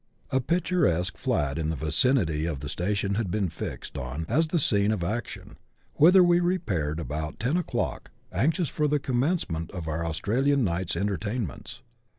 A picturesque flat in the vicinity of the station had been fixed on as the scene of action, whither we repaired at about ten o'clock, anxious for the commencement of our Australian night's entertainments.